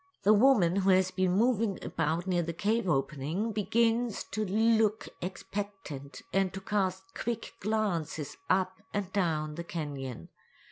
The woman who has been moving about near the cave opening begins to look expectant and to cast quick glances up and down the canyon.